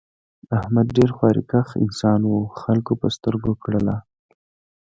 احمد ډېر خواریکښ انسان و خلکو په سترگو کړلا.